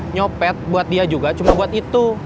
nyopet buat dia juga cuma buat itu